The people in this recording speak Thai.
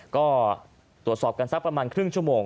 ก็ตรวจสอบกันสักประมาณครึ่งชั่วโมง